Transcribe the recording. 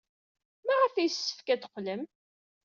Maɣef ay yessefk ad teqqlem?